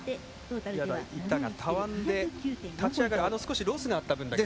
板がたわんで、立ち上がる少しロスがあった分だけ。